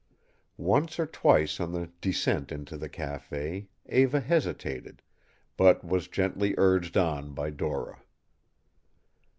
Once or twice on the descent into the café Eva hesitated, but was gently urged on by Dora.